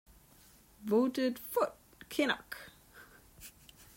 Voted Foot, Kinnock.